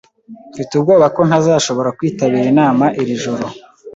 Mfite ubwoba ko ntazashobora kwitabira inama iri joro.